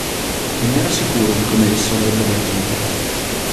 Non era sicuro di come esso avrebbe reagito.